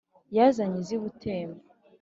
yanyaze iz'i butembo